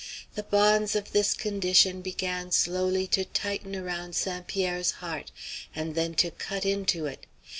The bonds of this condition began slowly to tighten around St. Pierre's heart and then to cut into it.